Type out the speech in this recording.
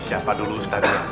siapa dulu ustaznya